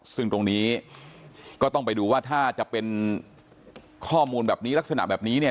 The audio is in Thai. ซึ่งตรงนี้ก็ต้องไปดูว่าถ้าจะเป็นข้อมูลแบบนี้ลักษณะแบบนี้เนี่ย